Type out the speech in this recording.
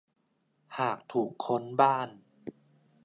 หากถูกค้นบ้าน